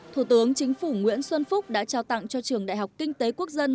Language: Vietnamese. thủ tướng chính phủ nguyễn xuân phúc đã trao tặng cho trường đại học kinh tế quốc dân